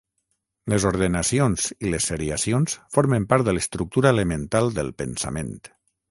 Les ordenacions i les seriacions formen part de l'estructura elemental del pensament.